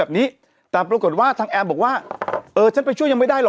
แบบนี้แต่ปรากฏว่าทางแอมบอกว่าเออฉันไปช่วยยังไม่ได้หรอก